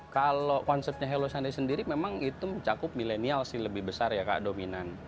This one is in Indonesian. kalau konsepnya hello sunday sendiri memang itu mencakup milenial sih lebih besar ya kak dominan